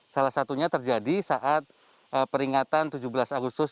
salah satunya terjadi saat peringatan tujuh belas agustus